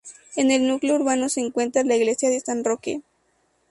En el núcleo urbano se encuentra la iglesia de San Roque.